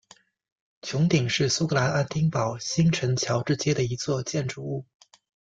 穹顶是苏格兰爱丁堡新城乔治街的一座建筑物。